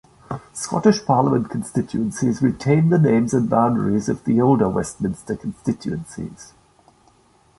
Scottish Parliament constituencies retain the names and boundaries of the older Westminster constituencies.